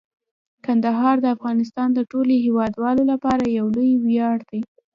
کندهار د افغانستان د ټولو هیوادوالو لپاره یو لوی ویاړ دی.